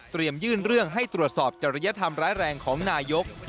ยื่นเรื่องให้ตรวจสอบจริยธรรมร้ายแรงของนายก